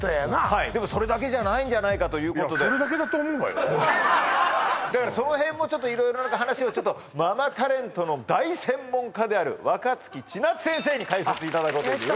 はいでもそれだけじゃないんじゃないかということでだからその辺もちょっと色々話をちょっとママタレントの大専門家である若槻千夏先生に解説いただこうと思います